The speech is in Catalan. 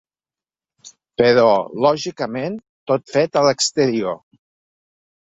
Però, lògicament, tot fet a l’exterior.